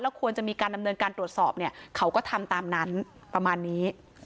ควรจะมีการดำเนินการตรวจสอบเนี่ยเขาก็ทำตามนั้นประมาณนี้